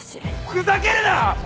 ふざけるな！